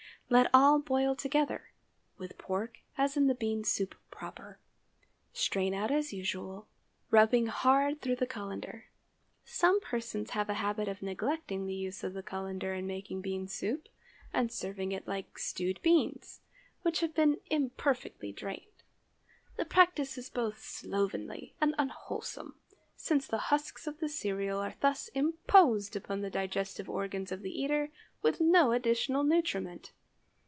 Let all boil together, with pork as in the bean soup proper. Strain out as usual, rubbing hard through the cullender. Some persons have a habit of neglecting the use of the cullender in making bean soup, and serving it like stewed beans which have been imperfectly drained. The practice is both slovenly and unwholesome, since the husks of the cereal are thus imposed upon the digestive organs of the eater, with no additional nutriment.